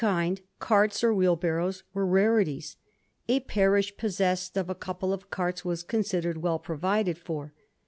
kind, carts or wheelbarrows, were rarities. A parish possessed of a couple of carts was considered well provided for.